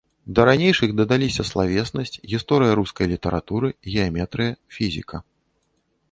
Да ранейшых дадаліся славеснасць, гісторыя рускай літаратуры, геаметрыя, фізіка.